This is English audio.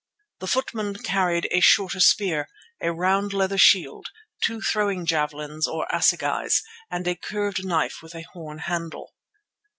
The footmen carried a shorter spear, a round leather shield, two throwing javelins or assegais, and a curved knife with a horn handle.